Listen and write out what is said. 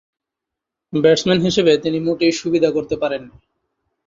Batsman হিসেবে তিনি মোটেই সুবিধে করতে পারেননি।